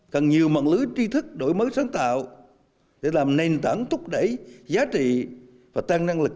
cần nhiều mạng lưới tri thức đổi mới sáng tạo để làm nền tảng thúc đẩy giá trị và tăng năng lực